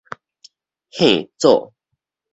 驚祖